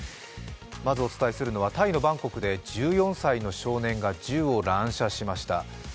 まずお伝えするのはタイのバンコクで１４歳の少年が銃を乱射しました。